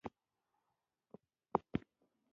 په افغانستان کې د پکتیکا ډیرې ګټورې او مهمې منابع شته.